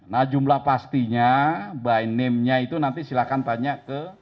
nah jumlah pastinya by name nya itu nanti silahkan tanya ke